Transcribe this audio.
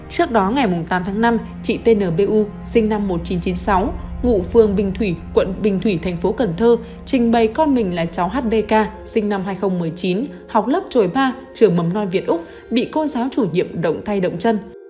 trước đó ngày tám tháng năm chị tnbu sinh năm một nghìn chín trăm chín mươi sáu ngụ phường bình thủy quận bình thủy thành phố cần thơ trình bày con mình là cháu hdk sinh năm hai nghìn một mươi chín học lớp trồi ma trường mầm non việt úc bị cô giáo chủ nhiệm động thay động chân